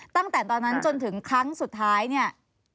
ตั้งแต่ตอนนั้นจนถึงครั้งสุดท้ายเนี่ย